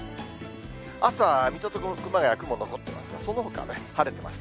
朝は水戸と熊谷、雲残っていますが、そのほかは晴れてます。